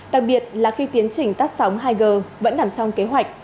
đặc biệt là khi tiến trình tắt sóng hai g vẫn nằm trong kế hoạch